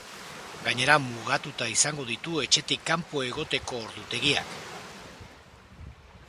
Gainera, mugatuta izango ditu etxetik kanpo egoteko ordutegiak.